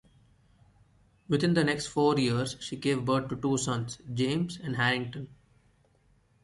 Within the next four years she gave birth to two sons, James and Harrington.